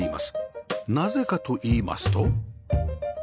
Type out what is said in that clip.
なぜかといいますと